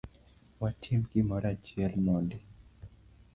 Watim gimoro achiel mondi.